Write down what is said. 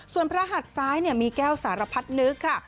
ส่วนพระหัดซ้ายมีแก้วสารพัดนึกค่ะ